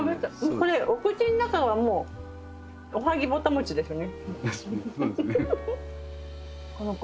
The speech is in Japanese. これお口の中がもうおはぎぼた餅ですね。